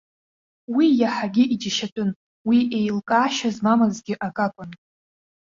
Уи иаҳагьы иџьашьатәын, уи еилкаашьа змамызгьы акы акәын.